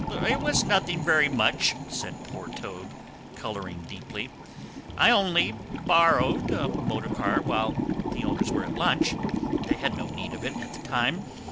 "It was nothing very much," said poor Toad, colouring deeply. "I only borrowed a motorcar while the owners were at lunch; they had no need of it at the time.